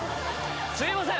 すいません